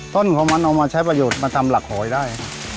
ต้นของมันเอามาใช้ประโยชน์มาทำหลักหอยได้